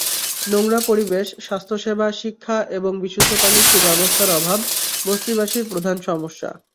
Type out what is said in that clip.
নোংরা পরিবেশ, স্বাস্থ্যসেবা, শিক্ষা এবং বিশুদ্ধ পানির সুব্যবস্থার অভাব বস্তিবাসীর প্রধান সমস্যা।